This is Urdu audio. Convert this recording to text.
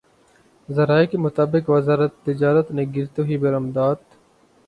ذرائع کے مطابق وزارت تجارت نے گرتی ہوئی برآمدات